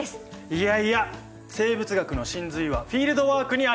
いやいや生物学の神髄はフィールドワークにあり！